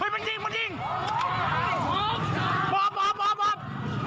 เฮ้ยบอกไว้บอก